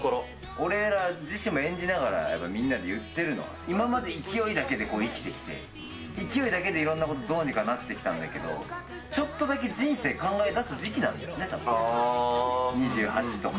俺ら自身も演じながらやっぱみんなで言ってるのは、今まで勢いだけで生きてきて、勢いだけでいろんなことどうにかなってきたんだけど、ちょっとだけ人生考えだす時期なんだよね、たぶん、２８とか。